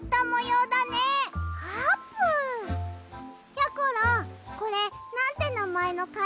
やころこれなんてなまえのかいがら？